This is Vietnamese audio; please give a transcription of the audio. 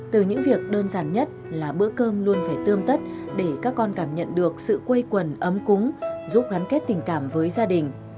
từ những việc đơn giản nhất là bữa cơm luôn phải tươm tất để các con cảm nhận được sự quây quần ấm cúng giúp gắn kết tình cảm với gia đình